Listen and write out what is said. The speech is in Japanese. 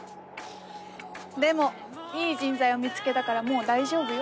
でもいい人材を見つけたからもう大丈夫よ。